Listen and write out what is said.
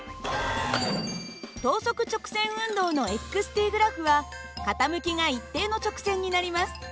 等速直線運動の−ｔグラフは傾きが一定の直線になります。